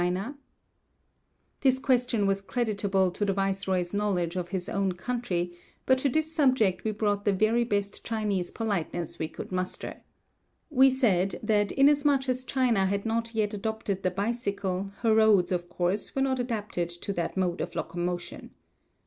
206 Across Asia on a Bicycle This question was creditable to the viceroy's knowledge of his own country, but to this subject we brought the very best Chinese politeness we could muster. We said that inasmuch as China had not yet adopted the bicycle, her roads, of course, were not adapted to that mode of locomotion.